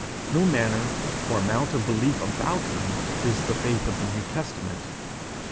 No manner or amount of belief about him is the faith of the New Testament.